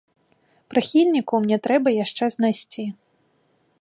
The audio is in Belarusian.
Прыхільнікаў мне трэба яшчэ знайсці.